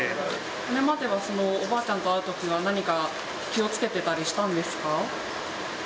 今まではおばあちゃんと会うときは、気をつけてたりしたんですか？